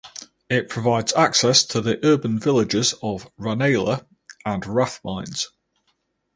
It provides access to the urban villages of Ranelagh and Rathmines.